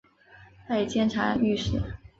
拜监察御史。